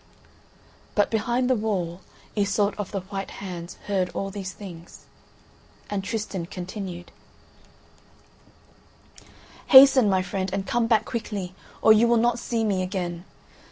But behind the wall, Iseult of the White Hands heard all these things; and Tristan continued: "Hasten, my friend, and come back quickly, or you will not see me again.